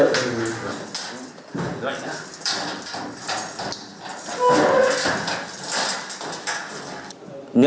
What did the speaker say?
vâng gọi nhé